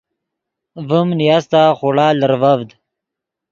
ڤیم نیاستا خوڑا لرڤڤد